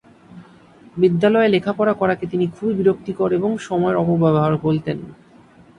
বিদ্যালয়ে লেখাপড়া করাকে তিনি খুবই বিরক্তিকর এবং সময়ের অপব্যবহার বলতেন।